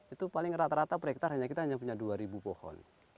itu paling rata rata per hektare kita hanya punya dua ribu pohon